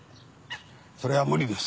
それは無理です。